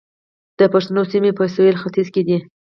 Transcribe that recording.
د پښتنو سیمې په سویل او ختیځ کې دي